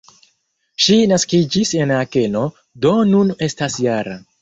Ŝi naskiĝis en Akeno, do nun estas -jara.